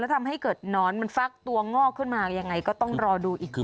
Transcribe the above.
ทำให้เกิดหนอนมันฟักตัวงอกขึ้นมายังไงก็ต้องรอดูอีกที